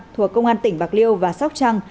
thuộc công an tỉnh bạc liêu và sóc trăng